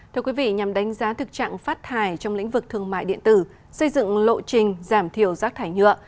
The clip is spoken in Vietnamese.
thưa quý vị nhằm đánh giá thực trạng phát thải trong lĩnh vực thương mại điện tử xây dựng lộ trình giảm thiểu rác thải nhựa